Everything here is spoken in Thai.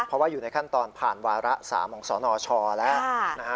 เพราะว่าอยู่ในขั้นตอนผ่านวาระ๓ของสนชแล้วนะฮะ